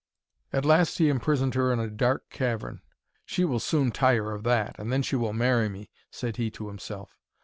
At last he imprisoned her in a dark cavern. 'She will soon tire of that, and then she will marry me,' said he to himself.